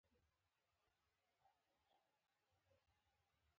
دوعا؛ بګړۍ دې له سره مه لوېږه.